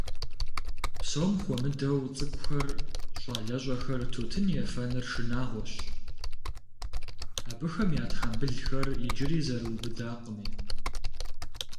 Псом хуэмыдэу цӀыкӀухэр, щӀалэщӀэхэр тутын ефэныр шынагъуэщ, абыхэм я тхьэмбылхэр иджыри зэрыубыдакъыми.